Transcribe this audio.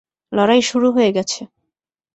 লড়াই শুরু হয়ে গেছে।